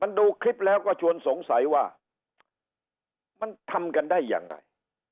ดูคลิปแล้วก็ชวนสงสัยว่ามันทำกันได้ยังไง